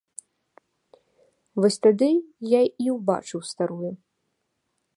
Вось тады я і ўбачыў старую.